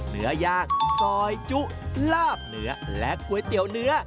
เนื้อย่างซอยจุลาบเนื้อและก๋วยเตี๋ยวเนื้อ